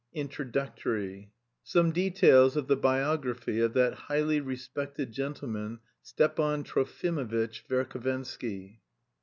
INTRODUCTORY SOME DETAILS OF THE BIOGRAPHY OF THAT HIGHLY RESPECTED GENTLEMAN STEPAN TROFIMOVITCH VERHOVENSKY.